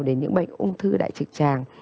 đến những bệnh ung thư đại trực tràng